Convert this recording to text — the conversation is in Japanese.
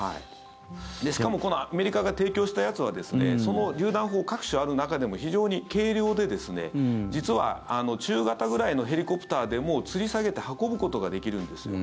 しかもこのアメリカが提供したやつはそのりゅう弾砲、各種ある中でも非常に軽量で実は中型ぐらいのヘリコプターでもつり下げて運ぶことができるんですよ。